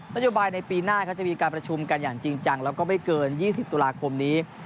นโยบายในปีหน้าจะมีการประชุมกันอย่างจริงจังแล้วก็ไม่เกิน๒๐ตุลาคมนี้